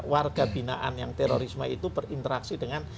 warga binaan yang terorisme itu berinteraksi dengan